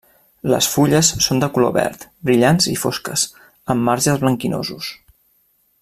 Les fulles són de color verd, brillants i fosques, amb marges blanquinosos.